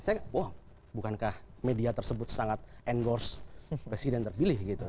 saya wah bukankah media tersebut sangat endorse presiden terpilih gitu